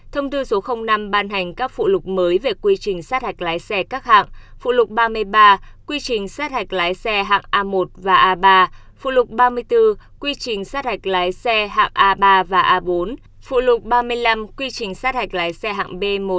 thông tư số năm ban hành các phụ lục mới về quy trình sát hạch lái xe các hạng